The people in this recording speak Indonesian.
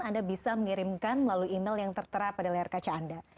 anda bisa mengirimkan melalui email yang tertera pada layar kaca anda